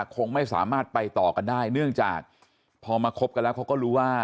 คงไม่สามารถไปต่อกันได้เนื่องจากพอมาคบกันแล้วเขาก็รู้ว่า